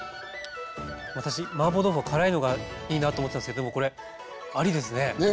私マーボー豆腐は辛いのがいいなと思ってたんですけどでもこれありですね！ね。